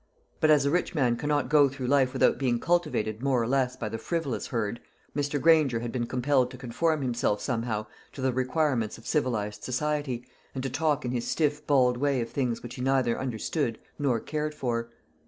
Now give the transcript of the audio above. But as a rich man cannot go through life without being cultivated more or less by the frivolous herd, Mr. Granger had been compelled to conform himself somehow to the requirements of civilised society, and to talk in his stiff bald way of things which he neither understood nor cared for.